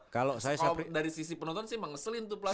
kalau dari sisi penonton sih ngeselin tuh